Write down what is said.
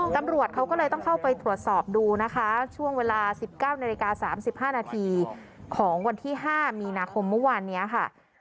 ตำรวจเขาก็เลยต้องเข้าไปตรวจสอบดูนะคะช่วงเวลา๑๙นาฬิกา๓๕นาทีของวันที่๕มีนาคมเมื่อวานนี้ค่ะ